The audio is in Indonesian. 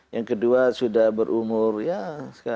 yang kedua sudah berumur ya sekarang